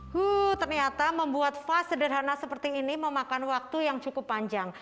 huh ternyata membuat fast sederhana seperti ini memakan waktu yang cukup panjang